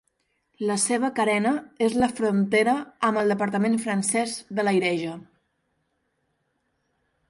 La seva carena és la frontera amb el departament francès de l'Arieja.